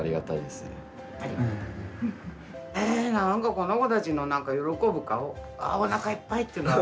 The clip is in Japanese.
この子たちの喜ぶ顔おなかいっぱいっていう。